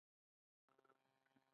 تاجک سوداګر د تاجکو قبيلوي احساسات.